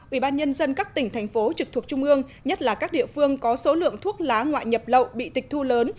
ủy ban nhân dân các tỉnh thành phố trực thuộc trung ương nhất là các địa phương có số lượng thuốc lá ngoại nhập lậu bị tịch thu lớn